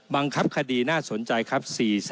บังคับคดีน่าสนใจครับ๔๗๐๐๐๐